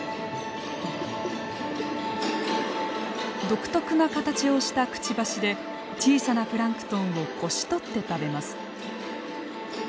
独特な形をしたくちばしで小さなプランクトンをこしとって食べます。